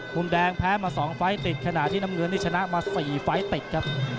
มุมแดงแพ้มา๒ไฟล์ติดขณะที่น้ำเงินนี่ชนะมา๔ไฟล์ติดครับ